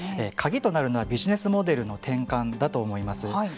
鍵となるのはビジネスモデルの転換だと思います。